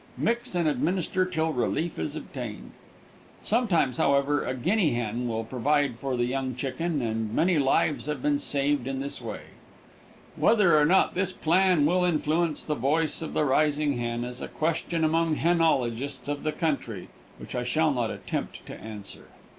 Mix and administer till relief is obtained. Sometimes, however, a guinea hen will provide for the young chicken, and many lives have been saved in this way. Whether or not this plan will influence the voice of the rising hen is a question among henologists of the country which I shall not attempt to answer.